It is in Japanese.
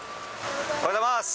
おはようございます。